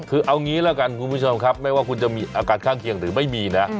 คือเอางี้แล้วกันคุณผู้ชมครับไม่ว่าคุณจะมีอาการข้างเคียงหรือไม่มีนะ